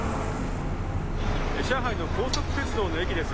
上海の高速鉄道の駅です。